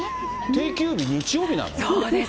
定休日、日曜日なの？